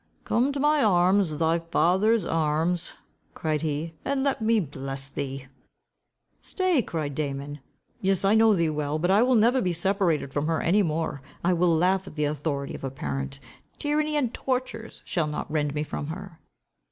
"Come to my arms, thy father's arms," cried he, "and let me bless thee." "Stay, stay," cried Damon. "Yes I know thee well. But I will never be separated from her any more. I will laugh at the authority of a parent. Tyranny and tortures shall not rend me from her."